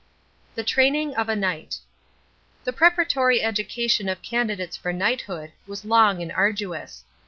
THE TRAINING OF A KNIGHT The preparatory education of candidates for knighthood was long and arduous.